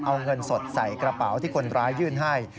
เอาเงินสดใส่กระเป๋าที่คนร้ายยื่นให้